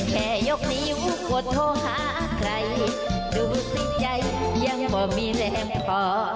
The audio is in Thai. แค่ยกนิ้วกดโทรหาใครดูสิใจยังบ่มีแม่ไม่พอ